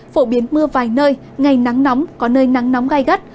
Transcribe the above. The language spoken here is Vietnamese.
phổ biến mưa vài nơi ngày nắng nóng có nơi nắng nóng gai gắt